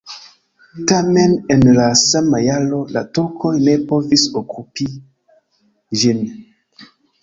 Tamen en la sama jaro la turkoj ne povis okupi ĝin.